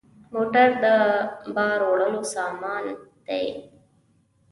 موټر د بار وړلو سامان دی.